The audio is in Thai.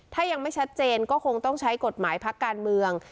ถ้ายังไม่ชัดเจนก็คงต้องใช้กฎหมายพักการเมือง